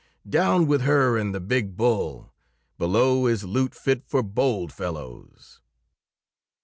Down with her and the big bull! Below is loot fit for bold fellows."